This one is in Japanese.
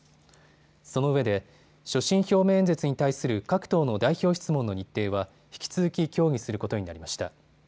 そのうえで所信表明演説に対する各党の代表質問の日程は引き続き協議することになりました。